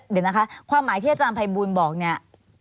เดี๋ยวนะคะความหมายที่อาจารย์ภัยบูลบอกเนี่ย